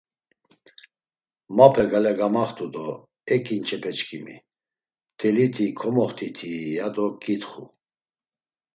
Mapa gale gamaxtu do, E ǩinçepe çkimi, mteliti komoxtitii ya do ǩitxu.